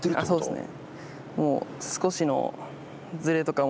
そうですね。